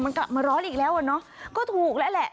มันกลับมาร้อนอีกแล้วอ่ะเนอะก็ถูกแล้วแหละ